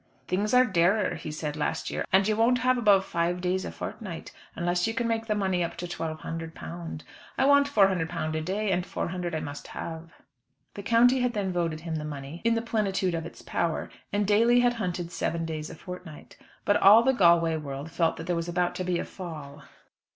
"Things are dearer," he said last year, "and you won't have above five days a fortnight, unless you can make the money up to £1,200. I want £400 a day, and £400 I must have." The county had then voted him the money in the plenitude of its power, and Daly had hunted seven days a fortnight. But all the Galway world felt that there was about to be a fall.